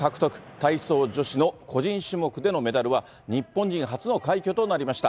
体操女子の個人種目でのメダルは、日本に初の快挙となりました。